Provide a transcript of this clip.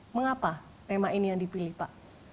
mengapa tema ini yang dipilih pak